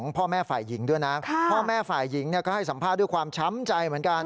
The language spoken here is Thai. พ่อแม่ฝ่ายหญิงเนี่ยก็ให้สัมภาษณ์ด้วยความช้ำใจเหมือนกัน